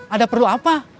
ada perlu apa